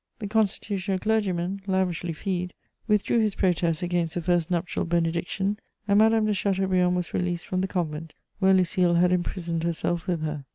The constitutional clergyman, lavishly feed, withdrew his protest against the first nuptial benediction, and Madame de Chateaubriand was released from the convent, where Lucile had imprisoned herself with her.